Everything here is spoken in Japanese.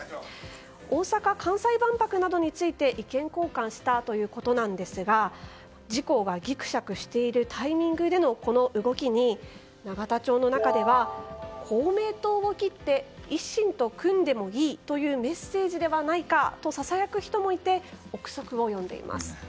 大阪・関西万博などについて意見交換したということなんですが自公がぎくしゃくしているタイミングでのこの動きに永田町の中では公明党を切って維新と組んでもいいというメッセージではないかとささやく人もいて憶測を呼んでいます。